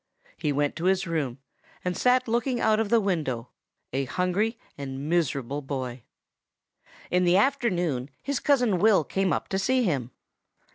He went to his room, and sat looking out of the window, a hungry and miserable boy. "In the afternoon his cousin Will came up to see him.